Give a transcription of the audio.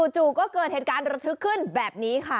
จู่ก็เกิดเหตุการณ์ระทึกขึ้นแบบนี้ค่ะ